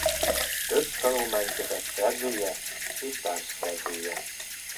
Több tanulmánykötet szerzője és társszerzője.